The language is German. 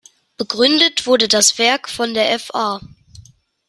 Begründet wurde das Werk von der Fa.